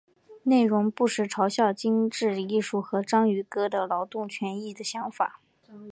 内容不时嘲笑精致艺术和章鱼哥的劳工权益想法。